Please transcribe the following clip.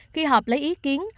khi họp lấy ý kiến